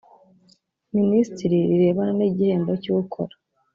Minisitiri rirebana n igihembo cy ukora